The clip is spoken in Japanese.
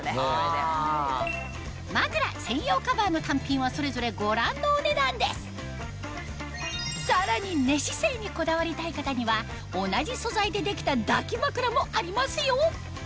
まくら専用カバーの単品はそれぞれご覧のお値段ですさらに寝姿勢にこだわりたい方には同じ素材で出来た抱き枕もありますよ